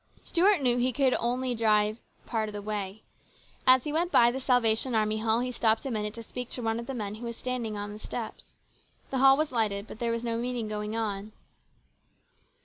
Stuart knew he could drive only part of the way. As he went by the Salvation Army Hall he stopped a minute to speak to one of the men who was standing on the steps. The hall was lighted, but there was no meeting going on.